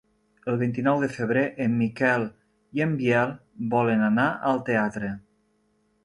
El vint-i-nou de febrer en Miquel i en Biel volen anar al teatre.